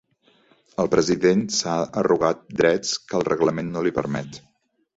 El president s'ha arrogat drets que el reglament no li permet.